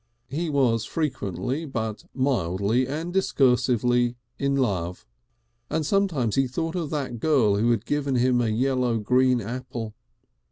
He was frequently but mildly and discursively in love, and sometimes he thought of that girl who had given him a yellow green apple.